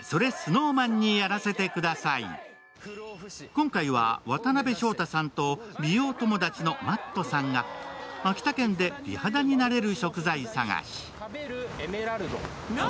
今回は渡辺翔太さんと美容友達のＭａｔｔさんが秋田県で美肌になれる食材探し。